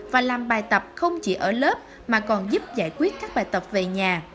và làm bài tập không chỉ ở lớp mà còn giúp giải quyết các bài tập về nhà